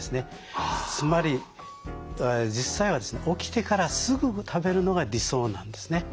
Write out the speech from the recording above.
つまり実際は起きてからすぐ食べるのが理想なんですね。